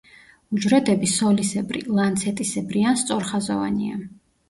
უჯრედები სოლისებრი, ლანცეტისებრი ან სწორხაზოვანია.